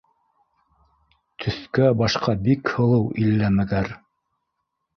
Төҫкә- башҡа бик һылыу иллә мәгәр